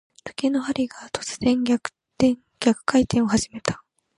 時計の針が、突然逆回転を始めた。